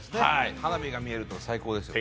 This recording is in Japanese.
花火が見えるとか最高ですね。